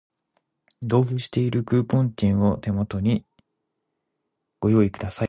同封しているクーポン券を手元にご用意ください